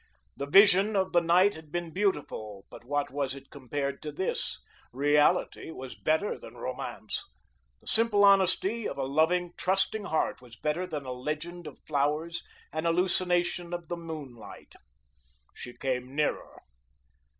The vision of the night had been beautiful, but what was it compared to this? Reality was better than Romance. The simple honesty of a loving, trusting heart was better than a legend of flowers, an hallucination of the moonlight. She came nearer.